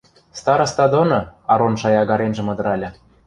– Староста доны, – Арон шаягаремжӹм ыдыральы.